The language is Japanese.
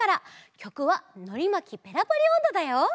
きょくは「のりまきペラパリおんど」だよ。